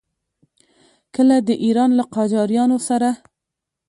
کله د ایران له قاجاریانو سره.